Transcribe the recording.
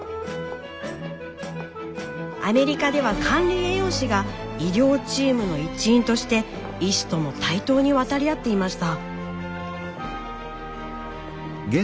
アメリカでは管理栄養士が医療チームの一員として医師とも対等に渡り合っていました。